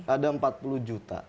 ada empat puluh juta